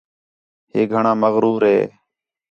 ہِے گھݨاں مغرور ہِے